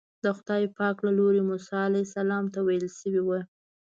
د خدای پاک له لوري موسی علیه السلام ته ویل شوي وو.